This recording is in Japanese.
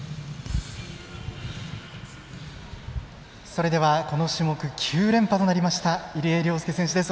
それではこの種目９連覇となりました入江陵介選手です。